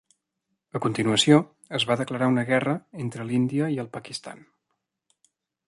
A continuació, es va declarar una guerra entre l'Índia i el Pakistan.